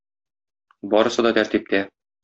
Барысы да тәртиптә.